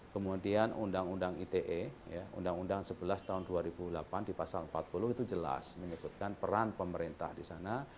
kemudian undang undang ite undang undang sebelas tahun dua ribu delapan di pasal empat puluh itu jelas menyebutkan peran pemerintah di sana